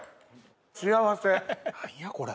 幸せ何やこれ。